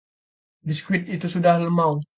biskuit itu sudah lemau